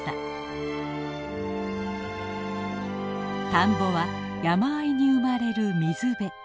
田んぼは山あいに生まれる水辺。